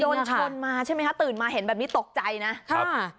โดนชนมาใช่ไหมคะตื่นมาเห็นแบบนี้ตกใจนะครับ